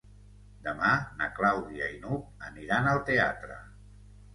Demà na Clàudia i n'Hug aniran al teatre.